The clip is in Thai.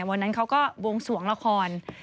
วันนั้นเขาก็วงสวงละคร